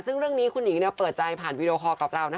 ซึ่งเรื่องนี้คุณหญิงเปิดใจผ่านวีดีโอคอลกับเรา